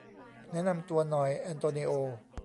แนะนำตัวหน่อยแอนโตนิโอ